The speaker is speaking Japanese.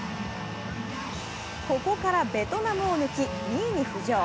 ここからベトナムを抜き、２位に浮上。